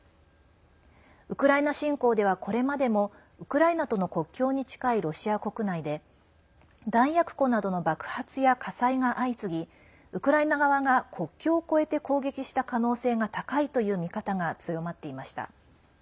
ウクライナ侵攻では、これまでもウクライナとの国境に近いロシア国内で弾薬庫などの爆発や火災が相次ぎウクライナ側が国境を越えて攻撃した可能性が高いという見方が強まっていました。